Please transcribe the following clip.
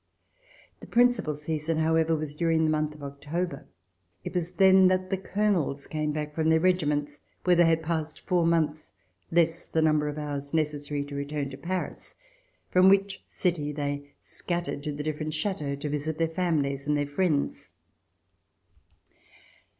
The principal season, however, was during the month of October. It was then that the colonels came back from their regiments, where they had passed four months, less the number of hours necessary to return to Paris, from which city they scattered to the different chateaux to visit their families and their friends.